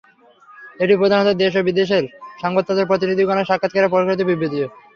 এটি প্রধানত দেশের ও বিদেশের সংবাদপত্র-প্রতিনিধিগণের সাক্ষাৎকারের প্রকাশিত বিবৃতি।